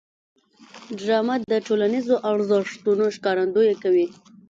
ډرامه د ټولنیزو ارزښتونو ښکارندويي کوي